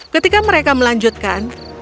ketika mereka melanjutkan